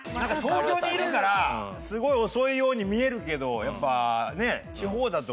東京にいるからすごい遅いように見えるけどやっぱね地方だと。